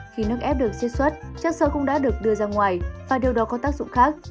khi nước ép được chế xuất chất sơ cũng đã được đưa ra ngoài và điều đó có tác dụng khác